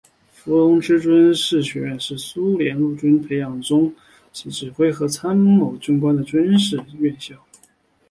伏龙芝军事学院是苏联陆军培养中级指挥和参谋军官的军事院校。